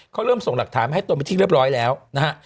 เขาเริ่มส่งหลักฐานให้ตนเป็นที่เรียบร้อยแล้วนะฮะ